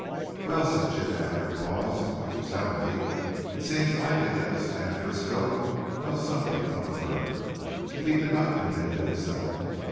"Well!" said Jim after a pause. "From what you tell me, it seems likely that this man Frisco knows something of the murder, if he did not commit it himself.